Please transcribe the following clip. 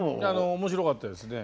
面白かったですね。